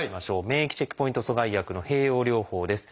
免疫チェックポイント阻害薬の併用療法です。